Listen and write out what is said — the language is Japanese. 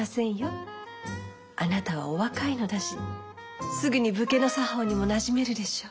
あなたはお若いのだしすぐに武家の作法にもなじめるでしょう。